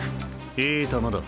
いい球だ。